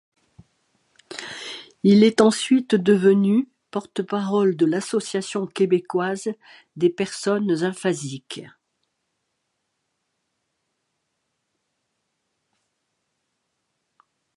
Il est ensuite devenu porte-parole de l'Association québécoise des personnes aphasiques.